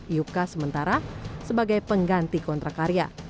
iupka sementara sebagai pengganti kontrak karya